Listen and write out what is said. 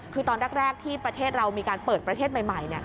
คือตอนแรกที่ประเทศเรามีการเปิดประเทศใหม่